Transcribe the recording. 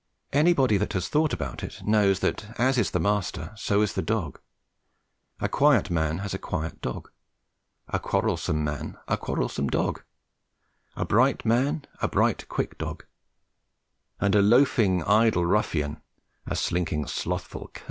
Anybody that has thought about it knows that as is the master, so is the dog. A quiet man has a quiet dog, a quarrelsome man a quarrelsome dog, a bright quick man a bright quick dog, and a loafing idle ruffian a slinking slothful cur.